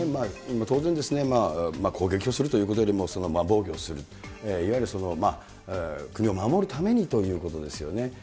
当然、攻撃をするということよりも、防御する、いわゆる国を守るためにということですよね。